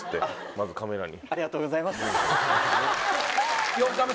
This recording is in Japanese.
まずカメラに。